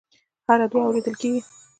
هره دعا اورېدل کېږي.